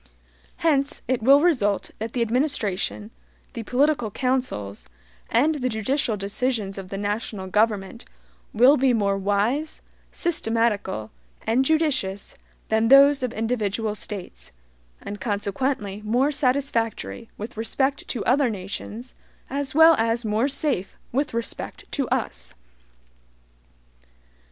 Hence, it will result that the administration, the political counsels, and the judicial decisions of the national government will be more wise, systematical, and judicious than those of individual States, and consequently more satisfactory with respect to other nations, as well as more SAFE with respect to us.